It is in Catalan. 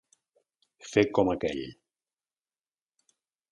Fer com aquell.